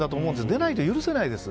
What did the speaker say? でないと許せないです。